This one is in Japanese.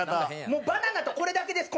もうバナナとこれだけです